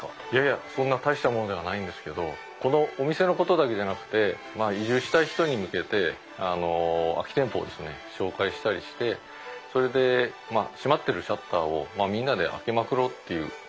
いやいやそんな大したものではないんですけどこのお店のことだけじゃなくて移住したい人に向けてあの空き店舗をですね紹介したりしてそれで閉まっているシャッターをみんなで開けまくろうっていう。